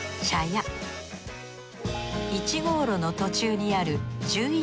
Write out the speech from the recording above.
１号路の途中にある十一